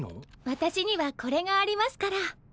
私にはこれがありますから。